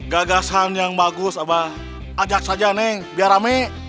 gagasan yang bagus apa ajak saja neng biar rame